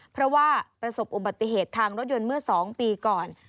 เพราะว่าประสบอุบัติเหตุทางรถยนต์เมื่อ๒ปีก่อน